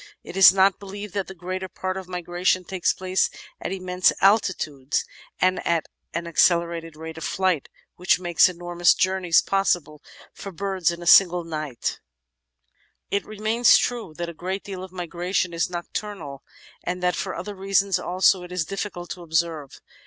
It is not pow believed that the greater part of migration takes place at immense altitudes, and at an accelerated rate of flight which makes enor mous journeys possible for birds in a single night. Nevertheless it remains true that a great deal of migration is nocturnal, and that, for other reasons also, it is difficult to observe.